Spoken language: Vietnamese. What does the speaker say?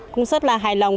cũng rất là hài lòng